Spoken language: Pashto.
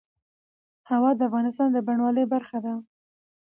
هوا د افغانستان د بڼوالۍ برخه ده.